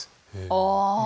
ああ。